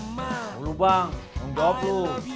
mulu bang nunggu abu